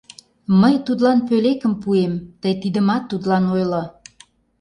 — Мый тудлан пӧлекым пуэм, тый тидымат тудлан ойло.